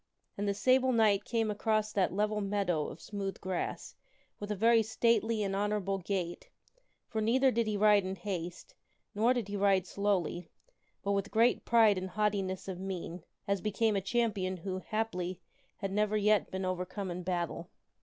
And this Sable Knight came across that level meadow of smooth grass with a very stately and honorable gait ; for neither did he ride in haste, nor did he ride slowly, but with great pride and haughtiness of mien, as became a champion who, haply, had never yet been overcome in battle.